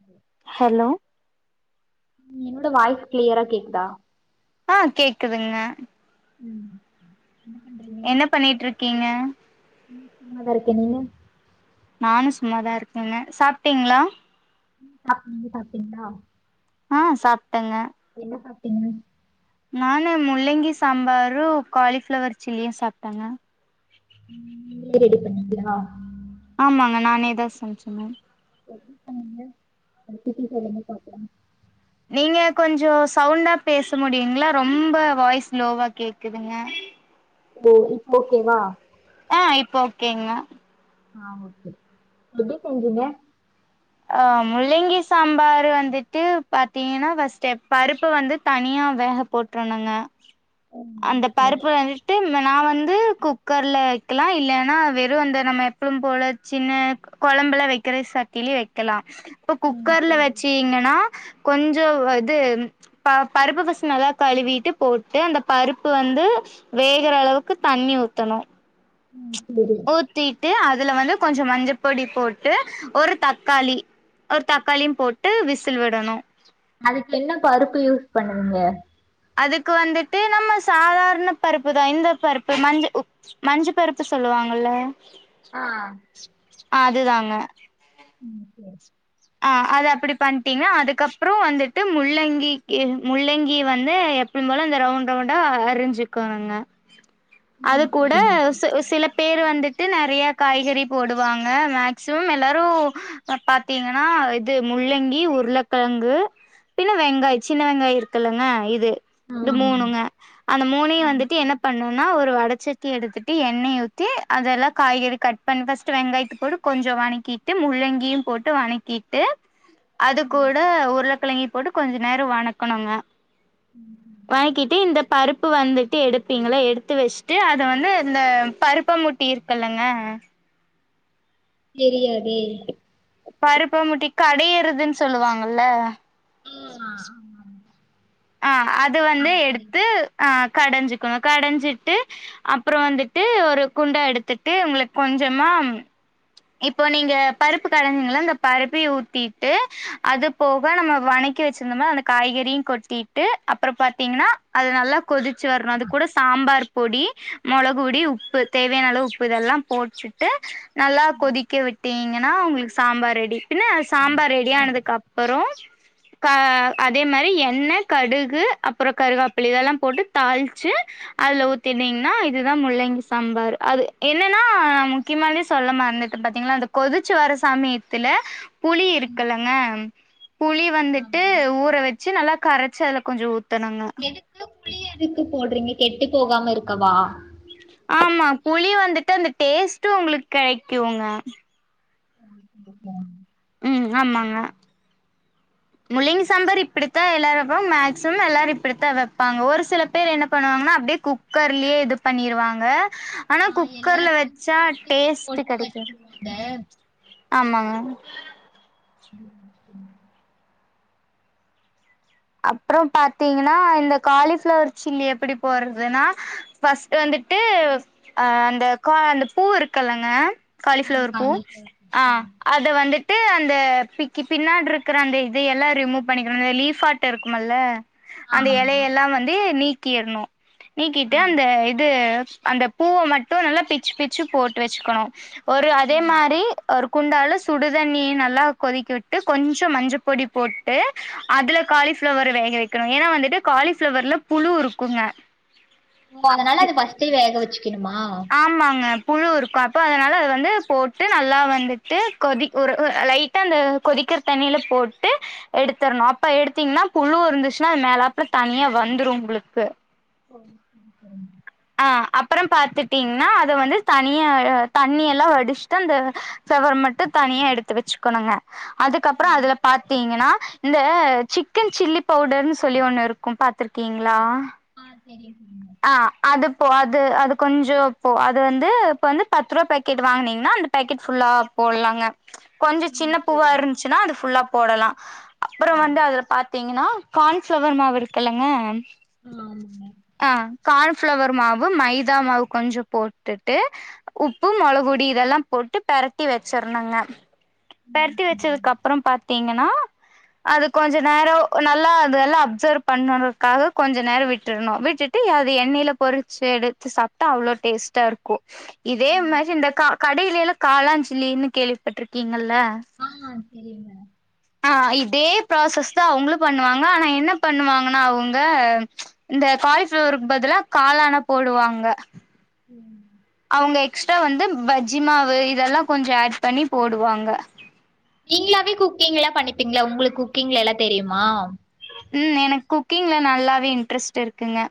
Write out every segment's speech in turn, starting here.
hello hello என்னோட voice கிளியரா கேக்குதா ஆ கேக்குதுங்க ம் என்ன பண்றீங்க என்ன பண்ணிட்டு இருக்கீங்க நா சும்மா தா இருக்கே நீங்க நானும் சும்மாதா இருக்கேன்னே சாப்ட்டீங்ளா ம் சாப்டே நீங்க சாப்டீங்ளா ஆ சாப்ட்டேங்க என்ன சாப்டீங்க நானு முள்ளங்கி சாம்பாரும் காலிஃப்ளவர் சில்லியு சாப்ட்டேங்க ரெடி பண்ணீடீங்களா ஆமாங்க நானே தா சமச்சேன்ங்க எப்டி பண்ணீங்க அத பத்தி சொல்லுங்க பாப்போ நீங்க கொஞ்சோ சவுண்டா பேச முடியுங்களா ரொம்ப வாய்ஸ் ஸ்லோவா கேக்குதுங்க ம் இப்போ ஓகேவா ஆ இப்ப ஓகேங்க ஆ ஓகே எப்டி செஞ்சீங்க ஆ முள்ளங்கி சாம்பார் வந்துட்டு பாத்தீங்கன்னா ஃபஸ்ட்டு பருப்பு வந்து தனியா வேக போட்றனுங்க ம் அந்த சேரி பருப்புலந்து நா வந்து குக்கரில்ல வைக்கலா இல்லன்னா வெறும் அந்த நம்ம எப்பவும் போல சின்ன கொழம்புல வைக்கிற சட்டிலு வைக்கலா இப்ப ம் குக்கர்ல சேரி வெச்சீங்கன்னா கொஞ்ச இது ப பருப்பு ஃபஸ்ட் நல்லா கழுவிட்டு போட்டு அந்த பருப்பு வந்து வேகற அளவுக்கு தண்ணி ஊத்தணு ம் செரி ஊத்திட்டு அதுல வந்து கொஞ்ச மஞ்ச பொடி போட்டு ஒரு தக்காளி ஒரு தக்காளியு போட்டு விசில் விடணு அதுக்கு என்ன பருப்பு யூஸ் பண்ணுவீங்க அதுக்கு வந்துட்டு நம்ம சாதாரண பருப்பு தா இந்த பருப்பு மஞ்ச மஞ்ச பருப்பு சொல்லுவாங்கல்ல ஆ ஆ அதுதாங்க ம் சேரி ஆ அது அப்பிடி பண்ட்டீங்கா அதுக்கப்றோ வந்துட்டு முள்ளங்கிக்கி முள்ளங்கி வந்து எப் பியும்போல இந்த ரவுண்ட் ரவுண்டா அறிஞ்சிக்கோனுங்க அது ம் கூட சேரிங்க சில பேரு வந்துட்டு நெறைய காய்கறி போடுவாங்க மேக்சிமம் எல்லாரு பாத்தீங்க ஆ இது முள்ளங்கி உருளக்கெழங்கு பின்ன வெங்காய சின்ன வெங்காய இருக்குல்லங்க இது இந்த ஆமா மூணுங்க அந்த மூணையு ம் வந்துட்டு சேரி என்ன பண்ணுனா ஒரு வடச்சட்டி எடுத்துட்டு எண்ணெய ஊத்தி அதெல்லா காய்கறி கட் பன் ஃபஸ்ட்டு வெங்காயத்து போடு கொஞ்ச வனக்கிட்டு முள்ளங்கியு போட்டு வனக் கிட்டு அது ம் கூட உருளக்கெழங்கியு போட்டு கொஞ்ச நேர வணக்கணுங்க வனக்கிட்டு இந்தப் பருப்பு வந்துட்டு எடுப்பீங்கள எடுத்து வெச்சுட்டு அத வந்து இந்த பருப்ப மூட்டி இருக்குல்லங்க தெரியாதே பருப்பமுட்டி கடையறதுன்னு சொல்லுவாங்கல்ல ஆமா ஆமாமா து வந்து எடுத்து ஆ கடஞ்சுக்குணு கடஞ்சிட்டு அப்றோ வந்துட்டு ஒரு குண்டா எடுத்துட்டு உங்குளுக் கொஞ்சமா இப்போ நீங்க பருப்பு கடஞ்சீங்கள அந்த பருப்பயு ஊத்திட்டு அது போக நம்ம வனக் கி வெச்சிருந்தமல்ல அந்த காய்கறியு கொட்டிட்டு அப்ற பாத்தீங்கன்னா அது நல்லா கொதிச்சு வரணு அது கூட சாம்பார் பொடி மொளகுபுடி உப்பு தேவையான அளவு உப்பு இதெல்லா போட்டுட்டு நல்லா ம் கொதிக்க விட்டீங்கன்னா உங்குளுக்கு சாம்பார் ரெடி பின்ன ஆ சாம்பார் ஆ ரெடியானதுக்கு அப்பற க அதே மாரி எண்ண கடுகு அப்பற கருகாப்பிள் இதெல்லா போட்டு தாள்ச்சு அதுல ஊத்திட்டீங்னா இதுதா முள்ளங்கி சாம்பாரு அது என்னன்னா முக்கியமாவே சொல்ல மறந்துட் ப்பா பாத்தீங்னா இந்த கொதிச்சுவர சமயத்துல புளி ம் இருக்கல்லங்க புளி வந்துட்டு ஆமா ஊற வச் சி நல்லா கரச்சு அதுல கொஞ்சொ ஊத்தணுங்க துக்கு புளி எதுக்கு போட்றீங்க கெட்டு போகாம இருக்கவா ஆமா புளி வந்துட்டு அந்த டேஸ்ட்டூ ஒங்குளுக் கெடைக்குங்க [inaudible] ம் ஆமாங்க முள்ளிங் சாம்பாரு இப்பிடித்தா எல்லாரூ வெப்பாங் மேக்சிமம் எல்லாரும் இப்பிடித்தா வெப்பாங்க ஒரு சில பேரு என்ன பண்ணுவாங்னா அப்டியே குக் குக்கர்லியே இது பண்ணிருவாங்க ஆனா ஆ எல்லா குக்கர்ல வெச்சா திங்ஸும் ஒட்டுக்கா டேஸ்ட்டு போட்டு கெடைக்காது வச்சிருவாங்க ஆமாங்க ம் செரிங்க அப்புறம் பாத்தீங்னா இந்த காலி ஃப்ளவர் சில்லி எப்பிடி போறதுனா ஃபஸ்ட்டு வந்துட்டு அ அந்த கா அந்த பூ இருக்கல்லங்க ஆ காலிஃப்ளவர் பூ காலிஃப்ளவர் ஆ அத் த வந்துட்டு அந்த பிக்கி பின்னாடிருக்குற அந்த இதையெல்லாம் ரிமூவ் பண்ணிக்குணோ அந்த லீஃப்பாட் டெ இருக்குமல்ல அந்த ஆமா எலயெல்லா வந்து நீக்கிர்னூ நீக்கிட்டு ஆ அந்த இது அந்த பூவ மட்டூ நல்லா பிச்சி பிச்சி போட்டு வச்சுக்கணோ ஒரு அதே ம் மாரி ஒருப் குந்தால சுடுதண்ணிய நல்லா கொதிக்க விட்டு கொஞ்சம் மஞ்சபொடி போட்டு அதுல காலிஃப்ளவர வேக வெக்கணோ ஏனா வந்துட்டு காலிஃப்ளவர்ல புழு இருக்குங்க ஓ அதனால அது ஃபஸ்டே வேக வச்சு க்கணுமா ஆமாங்க புழு இருக்கு அப்போ அதனால அது வந்து போட்டு நல்லா வந்துட்டு கொதி ஒரு லைட் டா அந்த கொதிக்கிற தண்ணில போட்டு எடுத்துர்ணூ அப்ப எடுத்தீங்னா புழு இருந்துச்சுனா அது மேலாப்புல தனியா வந்துடூ உங்களுக்கு ம் ஹூம் ஆ அப்பறொ பாத்துட்டீங்ன்னா அத வந்து தனிய தண்ணி எல்லா வடிச்சுட்டு அந்த ஃபிளவர் மட்டு தனியா எடுத்து வச்சுக்கணுங்க அதுக்கப்பறொ ம் அதுல பாத்தீங்கனா இந்த சிக்கன் சில்லி பவுடர்ன்னு சொல்லி ஒண்ணுருக் க்கூ பாத்துருக்கீங்ளா ஆ தெரியூ சொல்லுங்க ஆ அது போ அது அது கொஞ்சொ போ அது வந்து இப்ப வந்து பத்து ரூபா பேக்கெட் வாங்கனீங்கனா அந் பேக்கெட் ஃபுல்லா போட்லாங்க கொஞ்ச ம் சின்ன பூவா சரிங்க இருந்ச்சனா அது ஃபுல்லாப் போடலா அப்றொ ஆ வந்து அதுல பாத்தீங்னா கார்ன் ஃப்ளவர் மாவு இருக்குல்லங்க ஆ ஆமாங்க ஆ கார்ன் ஃப்ளவர் மாவு மைதா மாவு கொஞ்சொ போட்டுட்டு உப்பு மொளக்பொடி இதெல்லா போட்டு பெரட்டி வச்சற்னுங்க ம் பெரட்டி சரிங்க வச்சதுக்கப்பறோ பாத்தீங்கனா அது கொஞ்சொ நேரொ நல்லா அதல்லா அப்சர்வ் பண்ணதுக்காக கொஞ்ச நேரொ விட் டுர்னூ விட்டுட்டு அது எண்ணெயில பொறிச்சு எடுத்து சாப்ட்டா அவ்ளொ டேஸ்ட்டா இருக்கூ இதே ம் மாரி இந்த க கடைலலா காளாஞ் சில்லினு கேள்விப் பட்டிருக்கீங்கில்ல ஆ தெரியுங்க ஆ இதே ப்ராசஸ் தா அவுங்களூ பண்ணுவாங்க ஆனா என்ன பண்ணுவாங்கன்னா அவுங்க இந்த காலிஃபிளவருக்கு பதிலா காளான போடுவாங்க ம் அவ்ங்க எக்ஸ்ட்ரா வந்து பஜ்ஜி மாவு இதெல்லா கொஞ்ச ஆட் பண்ணி போடுவாங்க நீங்ளாவே குக்கிங்லா பண்ணிப்பீங்ளா உங்களுக் குக்கிங்ல எல்லா தெரியுமா ம் எனக்கு குக்கிங்ல நல்லாவே இன்ட்ரெஸ்ட் இருக்குங்க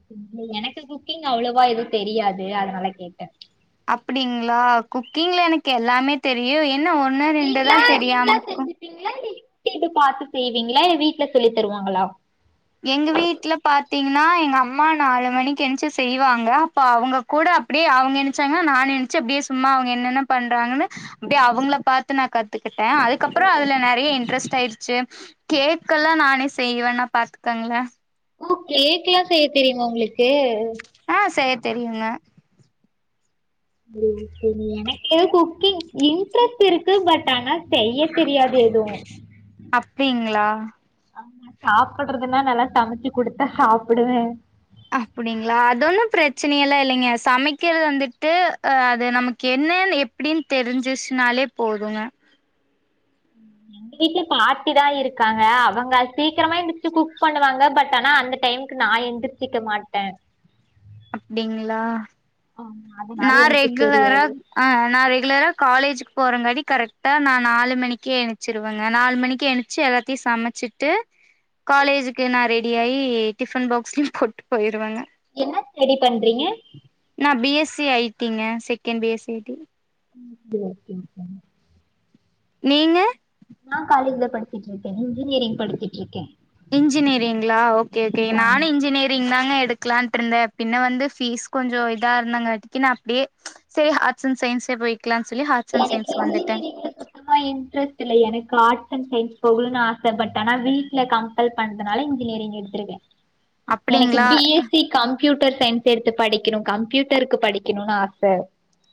[inaudible] எனக்கு குக்கிங் அவ்ளவா எது தெரியாது அதனால கேட்ட அப்படிங்ளா குக்கிங்ல எனக் எல்லாமே தெரியு என்ன ஒண்ணு ரெண்டுதா தெரியாமர்க்கு பிங்லாலி கேட்டு பாத்து செய்வீங்ளா இ வீட்ல சொல்லி தருவாங்களா எங்க வீட்ல பாத்தீங்னா எங்க அம்மா நாலு மணிக்கு ஏன்ச்சு செய்வாங்க அப்பா அவுங்க கூட அப்டியே அவுங்க எனுச்சாங்னா நானு எனுச்சு அப்டியே சும்மா அவுங்க என்னென்ன பண்றாங்கனு ப்டியே அவுங்கள பாத்து நா கத் பத்துக்கிட்டேன் அதுக்கப்புறம் த்துக்கிட்ட அதுக்கப்றோ அதுல நறைய இன்ட்ரெஸ்ட் ஆயிர்ச்சு கேக்கல்லா நானே செய்வேனா பாத்துக்கங்ளா ஓ கேக்கேல்லா செய்ய தெரியுமா உங்ளுக்கு ஆ செய தெரியுங்க [inaudible] எனக்கே குக்கிங் இன்ட்ரெஸ்ட் இருக்கு பட் ஆனா செய்ய தெரியாது எது அப்டிங்களா ஆமா சாப்புட்றதுனா நல்லா சமச்சு குடுத்தா சாப்புடுவே அப்படிங்ளா அது ஒன்னு ப்ரச்சனயெல்லா இல்லங்க சமக்கிற்து வந்துட்டு அ அது நமக்கு என்னேன் எப் ப்டின் தெரிஞ்சிச்னாலே போதுங்க எங்கு வீட்ல பாட்டி தா இருக்காங்க அவங்க சீக்கரமா எந்துச்சு குக் பண்ணுவாங்க பட் ஆனா அந்த டைம் க்கு நா எந்திர்ச்சிக்க மாட்டே அப்டிங்ளா ஆமா அதனால நா எனக்கு ரெகுலரா தெரியாது ஆ நா ரெகுலரா காலேஜுக் போறங்காரி கரக்ட்டா நா நாலு மணிக்கே எனுச்சிருவேங்க நாலு மணிக்கே எனு ச்சு எல்லாத்தி சமச்சிட்டு காலேஜுக்கு நா ரெடி ஆயி டிஃபன் பாக்ஸ்ல்யு போட்டு போய்ருவங்க என்ன ஸ்டடி பண்றீங்க நா பி எஸ் சி ஐட்டிங்க second B S C I T ம் ப்டி ஓகே கே நீங்க நா காலேஜ்ல படிச்சுட்ரி என்ஜினியரி இன்ஜினியரிங்லா ஓகே கே ம் நானி ஆமா இன்ஜினிர் திங்னாங்க எடுக்லான்ட்ருந்தே பின்ன வந்து ஃபீஸ் கொஞ்சு இதா இருந்தாங்காட்டிக்கி நா அப்டியே சே ஹாட்ஸ் அண் சயின்ஸே போய்க்லா சொல்லி ஹாட்ஸ் அண் சயின்ஸ் வந்துட்ட த்துமா இன்ட்ரெஸ்ட் இல்லே எனக்கு ஆர்ட்ஸ் அண் சயின்ஸ் போகுணுனு ஆசை பட் ஆனா வீட்ல கம் பல் பண்துனால இன்ஜினியரிங் எட்த்ருக்கே எனக்கு அப்டிங்ளா B S C computer science எடுத்து படிக்கணு கம்ப்யூட்டருக்கு படிக்கணுனு ஆச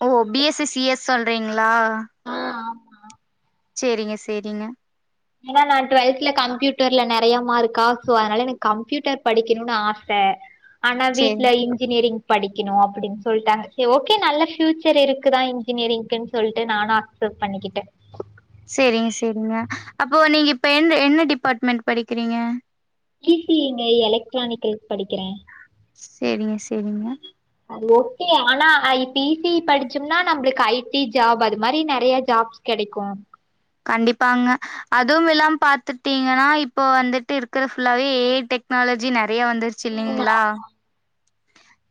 ஓ B S C C S சொல்றீங்ளா ஆ ஆமா ஆம் ச்சேரிங்க செரிங்க ஆா நா டுவல்த்ல கம்ப்யூட்டர்ல நெறையா மார்க்கா சோ அனால எனக் கம்ப்யூட்டர் படிக்கணுனு ஆச ஆனா வீட்ல சேரிங் இன்ஜினியரிங் படிக்கிணு அப்படின் சொல்ட்டாங்க சே ஓகே நல்ல ஃபியூச்சர் இருக்குதா இன்ஜினியரிங்குன் சொல்ட்டு நானா ஃப்லிப் பண்ணிக்கிட்டே சேரிங்க சேரிங்க அப்போ நீங்க இப்ப எந்த என்ன டிபார்ட்மெண்ட் படிக்கிறீங்க இ சி இ ங்க எலக்ட்ரானிக்கலுக்கு படிக்கிறே சேரிங்க சேரிங்க அது ஓக்கே ஆனா இப்ப இ சி இ படிச்சம்னா நம்மளுக்கு ஐ டி ஜாப் அது மாறி நெறைய ஜாப்ஸ் கெடைக்கு கண்டிப்பாங்க அதும் இல்லாம பாத்துட்டீங்கன்னா இப்போ வந்துட்டு இருக்கற ஃபுல்லாவே ஏ ஐ டெக்னாலஜி நெற யா வந்துருச்சு ஆமா இல்லைங்ளா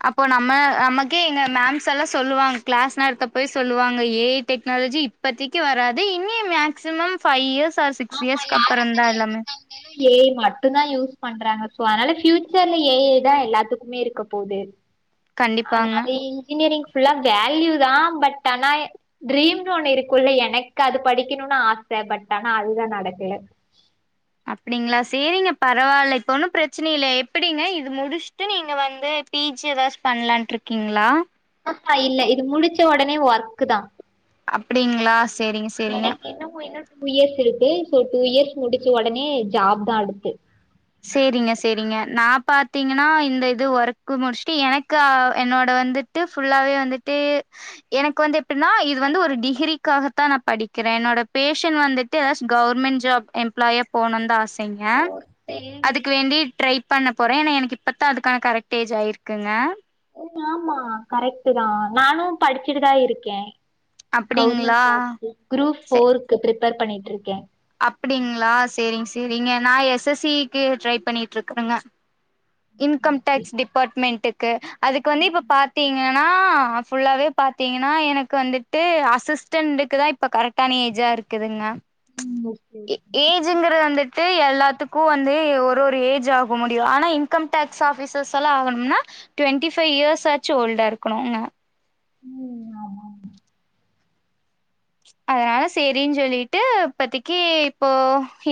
அப்போ நம்ம நமக்கே எங்க மேம்ஸ் எல்லா சொல்லுவாங்க கிளாஸ் நேரத்த அப்பயே சொல்லுவாங்க ஏ ஐ டெக்னாலஜி இப்பத்திக்கு வராது இன்னியு மேக்சிமம் ஃபைவ் இயர்ஸ் ஆ சிக்ஸ் இயர்ஸ்கு அப்றோதா எல்லாமே ஏனா ஏ ஐ மட்டுந்தா யூஸ் பண்றாங்க சோ அதனால ஃபியூச்சர்ல ஏ ஐ தா எல்லாத்துக்குமே இருக்க போது கண்டிப்பாங்க அதனால இன்ஜினியரிங் ஃபுல்லா வேல்யூ தா பட் ஆனா ட்ரீம்ன்னு ஒண்ணு இருக்குல்ல எனக்கு அது படிக்கணும்னு ஆசை பட் ஆனா அதுதா நடக்கல அப்படிங்களா சேரிங்க பரவால்ல இப்ப ஒன்னும் பிரச்சனை இல்லை எப்படிங்க இது முடிச்சுட்டு நீங்க வந்து பி ஜி ஏதாச்சு பண்லான்னு இருக்கீங்ளா அ ஆ இல்ல இது முடிச்ச உடனே ஒர்க்கு தா அப்டிங்ளா சேரிங்க சேரிங்க எனக்கு என்னமோ இன்னு டூ இயர்ஸ் இருக்கு சோ டூ இயர்ஸ் முடிச்ச உடனே ஜாப் தா அடுத்து சேரிங்க சேரிங்க நா பாத்தீங்கன்னா இந்த இது ஒர்க்கு முடிச்சுட்டு எனக்கு என்னோட வந்து ட்டு ஃபுல்லாவே வந்துட்டு எனக்கு வந்து எப்பின்னா இது வந்து ஒரு டிகிரிக்காகத்தா நா படிக்கிறே என்னோட பேஷன் வந்து ட்டு கவர்மெண்ட் ஜாப் எம்ப்ளாயா போவுணுந்தா ஆசைங்க [unintelligible] அதுக்கு வேண்டி ட்ரை பண்ண போறே ஏன்னா எனக்கு இப்பத்தா அதுக்கான கரெக்ட் ஏஜ் ஆயிருக்குங்க ஏ ஆமா கரெக்ட்டு தா நானு படிச்சுட்டுதா இருக்கே கவுர்மெண்ட் அப்டிங்களா ஜாப்க்கு குரூப் ஃபோர்க்கு ப்ரிப்பேர் பண்ணிட்டு இருக்கே அப்படிங்ளா சேரிங்க சேரிங்க நா எஸ் எஸ் சி க்கு ட்ரை பண்ணிட்டு இருக்குறேங்க இன்கம் டேக்ஸ் டிபார்ட்மெண்ட்டுக்கு அதுக்கு வந்து இப்ப பாத்தீங்க ன்னா ஃபுல்லாவே பாத்தீங்கன்னா எனக்கு வந்துட்டு அசிஸ்டன்க்குதா இ ப்ப கரெக்டான ஏஜா இருக்குதுங்க ம் ஓகே ஏஜ் ங்கிறது வந்துட்டு எல்லாத்துக்கு வந்து ஒரு ஒரு ஏஜ் ஆக முடியு ஆனா இன் ன்கம் டேக்ஸ் ஆபீசர்ஸ் எல்லா ஆகணும்னா டுவெண்டி ஃபைவ் இயர்ஸ் ஆச்சு ஓல்டா இருக்கணுங்க உம் ஆமா ஆமா அதனால சேரின்னு சொல்லிட்டு இப்பதிக்கு இப்போ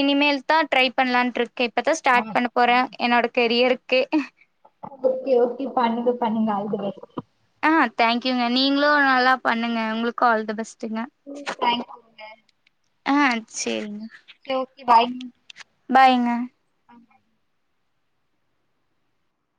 இனிமேல் தா ட்ரை பண்ணலான்ட்டு இருக் கே இப்பதா ஸ்டார்ட் பண்ண போறே என்னோட கெரியருக்கே ஓக்கே ஓக்கே பண்ணுங்க பண்ணுங்க ஆல் த பெஸ்ட் ஆ தேங்க்யூங்க நீங்களும் நல்லா பண்ணுங்க உங்களுக்கும் ஆல் த பெஸ்ட்டுங்க ம் தேங்க்யூங்க ஆ சேரிங்க சேரி ஓக்கே பாய்ங்க பாய்ங்க [inaudible]